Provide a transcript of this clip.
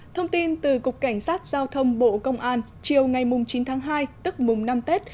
thông tin từ cục cảnh sát giao thông bộ công an chiều ngày chín tháng hai tức mùng năm tết